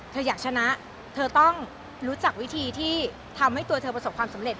เธออยากชนะเธอต้องรู้จักวิธีที่ทำให้ตัวเธอประสบความสำเร็จ